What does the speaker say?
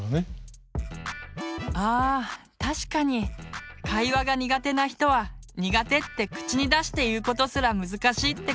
あ確かに会話が苦手な人は「苦手」って口に出して言うことすら難しいってこともあるかもね。